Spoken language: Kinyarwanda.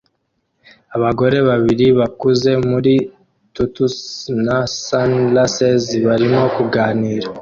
Abagore babiri bakuze muri tutus na sunlasses barimo kuganira